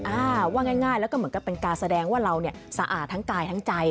อ่าว่าง่ายแล้วก็เหมือนกับเป็นการแสดงว่าเราเนี่ยสะอาดทั้งกายทั้งใจ